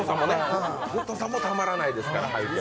ゼットンさんもね。たまらないですから。